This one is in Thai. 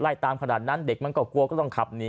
ตามขนาดนั้นเด็กมันก็กลัวก็ต้องขับหนี